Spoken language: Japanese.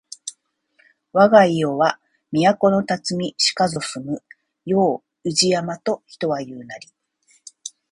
わが庵は都のたつみしかぞ住む世を宇治山と人は言ふなり